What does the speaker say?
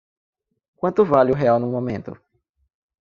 Quanto vale o real no momento?